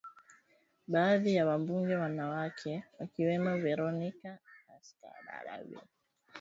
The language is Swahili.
Baadhi ya wabunge wanawake wakiwemo Veronica Escobar Robin Kelly na Val Demings